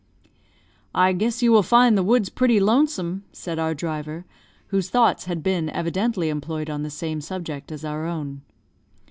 "I guess you will find the woods pretty lonesome," said our driver, whose thoughts had been evidently employed on the same subject as our own.